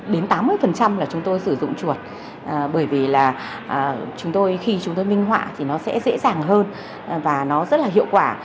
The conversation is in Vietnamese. đến tám mươi là chúng tôi sử dụng chuột bởi vì là chúng tôi khi chúng tôi minh họa thì nó sẽ dễ dàng hơn và nó rất là hiệu quả